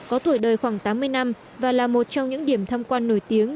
có tuổi đời khoảng tám mươi năm và là một trong những điểm tham quan nổi tiếng